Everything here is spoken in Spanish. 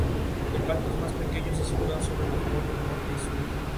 En el colegio, Ricardo Lafuente aprende los rudimentos de la escritura y la lectura.